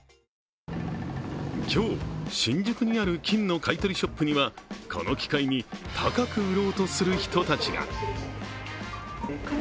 今日、新宿にある金の買い取りショップには、この機会に高く売ろうとする人たちが。